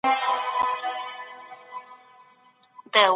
تاسي په خپلو خبرو کي رښتینولي لرئ.